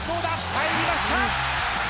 入りました！